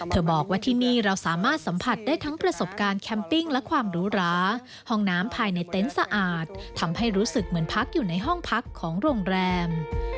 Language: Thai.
บอกว่าที่นี่เราสามารถสัมผัสได้ทั้งประสบการณ์แคมปิ้งและความหรูหราห้องน้ำภายในเต็นต์สะอาดทำให้รู้สึกเหมือนพักอยู่ในห้องพักของโรงแรม